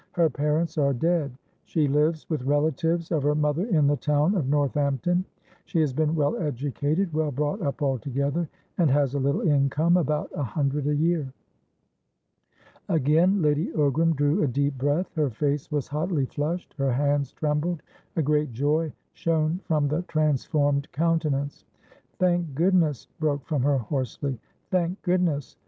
Her parents are dead. She lives with relatives of her mother in the town of Northampton. She has been well educated, well brought up altogether, and has a little incomeabout a hundred a year." Again Lady Ogram drew a deep breath. Her face was hotly flushed; her hands trembled; a great joy shone from the transformed countenance. "Thank goodness!" broke from her hoarsely. "Thank goodness!"